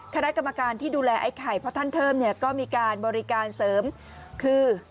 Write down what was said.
คณะกรรมการที่ดูแลไอ้ไข่เพราะท่านเทิมเนี่ยก็มีการบริการเสริมคือ